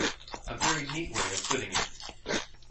A very neat way of putting it.